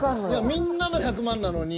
みんなの１００万なのに。